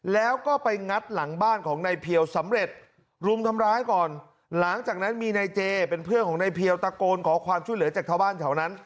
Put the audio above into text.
แล้วก็ไปงัดหลังบ้านของนายเพียวสำเร็จรุมทำร้ายก่อนหลังจากนั้นมีนายเจเป็นเพื่อนของนายเพียวตะโกนขอความช่วยเหลือจากชาวบ้านแถวนั้น